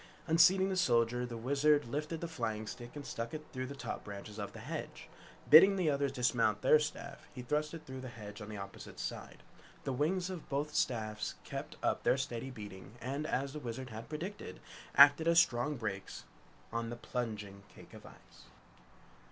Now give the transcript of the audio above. Unseating the Soldier, the Wizard lifted the flying stick and stuck it through the top branches of the hedge. Bidding the others dismount from their staff, he thrust it through the hedge on the opposite side. The wings of both staffs kept up their steady beating and, as the Wizard had predicted, acted as strong brakes on the plunging cake of ice.